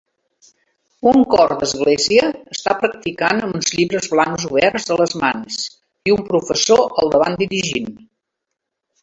Un cor d'església està practicant amb uns llibres blancs oberts a les mans i un professor al davant dirigint.